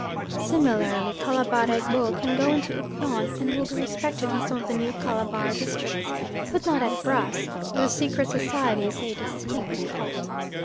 Similarly, Calabar Egbo can go into Okyon, and will be respected in some of the New Calabar districts, but not at Brass, where the secret society is a distinct cult.